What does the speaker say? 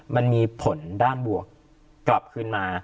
มันมีผลด้านบวกกลับขึ้นมา